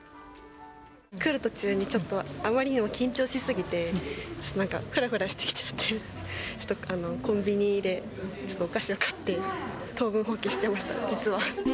来る途中にちょっとあまりにも緊張し過ぎて、なんかふらふらしてきちゃって、ちょっとコンビニでちょっとお菓子を買って、糖分補給してました、実は。